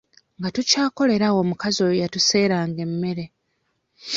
Nga tukyakolera awo omukazi oyo yatuseeranga emmere.